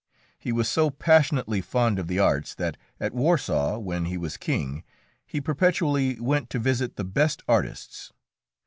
He was so passionately fond of the arts, that at Warsaw, when he was king, he perpetually went to visit the best artists.